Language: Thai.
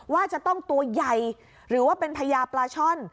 ว่าจะต้องตัวใหญ่หรือว่าเป็นพญาปลาช่อน